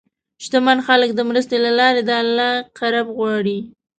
شتمن خلک د مرستې له لارې د الله قرب غواړي.